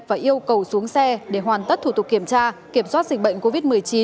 và yêu cầu xuống xe để hoàn tất thủ tục kiểm tra kiểm soát dịch bệnh covid một mươi chín